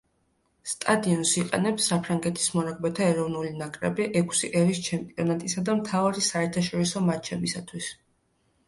სტადიონ იყენებს საფრანგეთის მორაგბეთა ეროვნული ნაკრები ექვსი ერის ჩემპიონატისა და მთავარი საერთაშორისო მატჩებისათვის.